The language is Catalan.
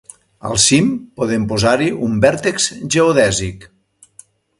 "Al cim podem posar-hi un vèrtex geodèsic."